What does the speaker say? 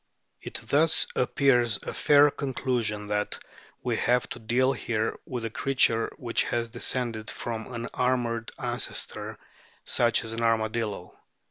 It thus appears a fair conclusion that we have to deal here with a creature which has descended from an armoured ancestor, such as an armadillo.